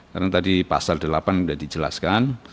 karena tadi pasal delapan sudah dijelaskan